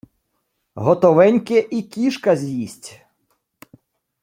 Готовеньке і кішка з’їсть.